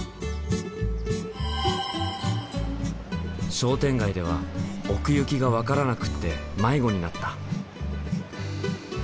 商店街では奥行きが分からなくって迷子になった。